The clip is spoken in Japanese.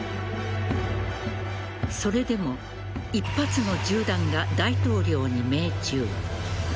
それでも１発の銃弾が大統領に命中。